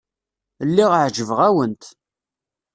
Lliɣ ɛejbeɣ-awent.